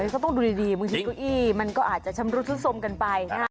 ก็ต้องดูดีมึงชิคกี้พายมันก็อาจจะชำรุดทุกสมกันไป